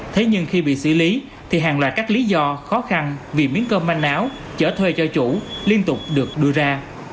thế nhưng khi bị xử lý thì hàng loạt các lý do khó khăn vì miếng cơm manh áo chở thuê cho chủ liên tục được đưa ra